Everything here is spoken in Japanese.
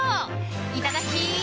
いただき！